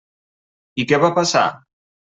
I què va passar?